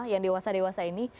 yang dewasa dewasa ini